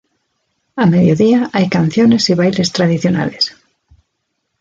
A mediodía hay canciones y bailes tradicionales.